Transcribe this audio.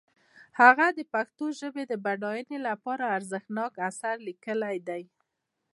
هغه د پښتو ژبې د بډاینې لپاره ارزښتناک آثار لیکلي دي.